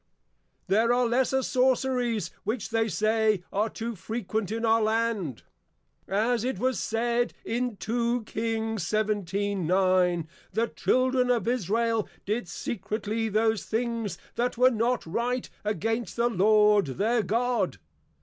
There are lesser Sorceries which they say, are too frequent in our Land. As it was said in 2 King. 17.9. _The Children of +Israel+ did secretly those things that were not right, against the Lord their God.